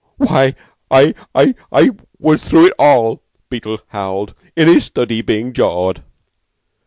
"Why, I I I was through it all," Beetle howled; "in his study, being jawed."